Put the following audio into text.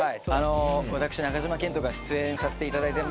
私中島健人が出演させていただいています